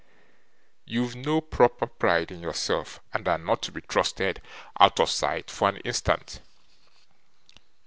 You've no proper pride in yourself, and are not to be trusted out of sight for an instant.